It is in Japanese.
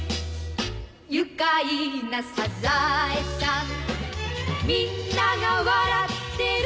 「愉快なサザエさん」「みんなが笑ってる」